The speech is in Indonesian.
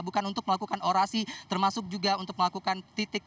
bukan untuk melakukan orasi termasuk juga untuk melakukan titik